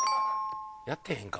やってへんか。